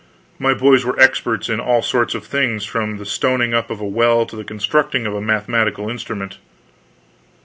My boys were experts in all sorts of things, from the stoning up of a well to the constructing of a mathematical instrument.